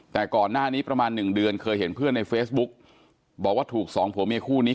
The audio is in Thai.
แต่ก่อนหน้านี้ประมาณหนึ่งเดือนเคยเห็นเพื่อนในเฟซบุ๊กบอกว่าถูกสองผัวเมียคู่นี้